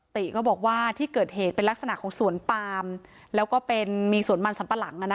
ติก็บอกว่าที่เกิดเหตุเป็นลักษณะของสวนปามแล้วก็เป็นมีสวนมันสัมปะหลัง